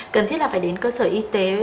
cần thiết là phải đến cơ sở y tế